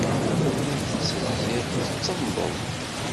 Tellid tettezzid, tettennḍed.